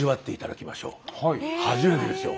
初めてですよ。